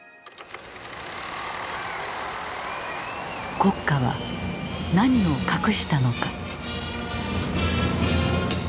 国家は何を隠したのか。